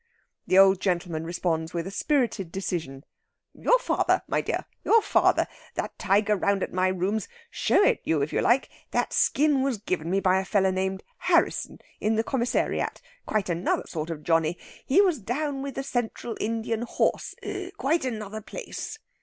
The old gentleman responds with a spirited decision: "Your father, my dear, your father. That tiger round at my rooms show it you if you like that skin was given me by a feller named Harrisson, in the Commissariat quite another sort of Johnny. He was down with the Central Indian Horse quite another place!"